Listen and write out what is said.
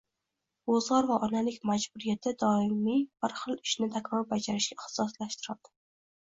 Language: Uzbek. Ro‘zg‘or va onalik majburiyati doimiy bir xil ishni takror bajarishga ixtisoslashtirdi